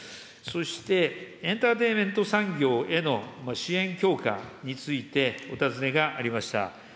そして、エンターテイメント産業への支援強化について、お尋ねがありました。